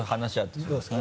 どうですか？